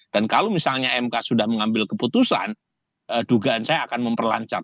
dan kalau misalnya mk sudah mengambil keputusan dugaan saya akan memperlancar